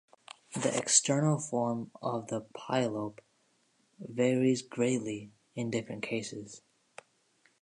The external form of the polyp varies greatly in different cases.